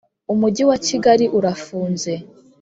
Umujyi wa Kigali urafunze